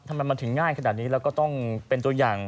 ทำไมมันถึงง่ายขนาดนี้แล้วก็ต้องเป็นตัวอย่าง